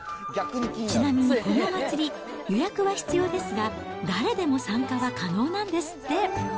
ちなみにこのお祭り、予約は必要ですが、誰でも参加は可能なんですって。